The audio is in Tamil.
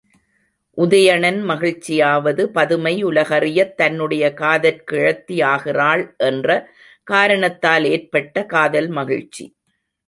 உதயணன் மகிழ்ச்சியாவது பதுமை உலகறியத் தன்னுடைய காதற்கிழத்தி ஆகிறாள் என்ற காரணத்தால் ஏற்பட்ட காதல் மகிழ்ச்சி.